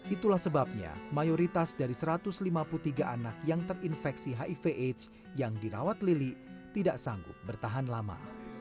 itulah sebabnya mayoritas dari satu ratus lima puluh tiga anak yang terinfeksi hiv aids yang dirawat lili tidak sanggup bertahan lama